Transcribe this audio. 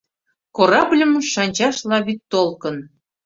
Корабльым шанчашла вӱдтолкын